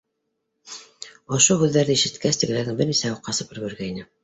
— Ошо һүҙҙәрҙе ишеткәс, тегеләрҙең бер нисәүһе ҡасып өлгөргәйне.